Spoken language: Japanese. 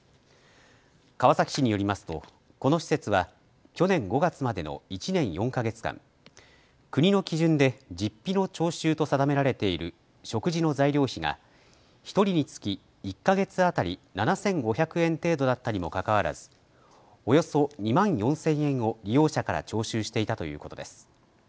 川崎市によりますと、この施設は去年５月までの１年４か月間、国の基準で実費の徴収と定められている食事の材料費が１人につき１か月当たり７５００円程度だったにもかかわらずおよそ２万４０００円を利用者から徴収していたということです。